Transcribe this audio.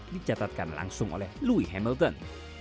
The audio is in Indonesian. dicatatkan langsung oleh pemerintah